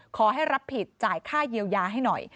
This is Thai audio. ขอให้รับผิดจ่ายค่าเยียวยาให้หน่อย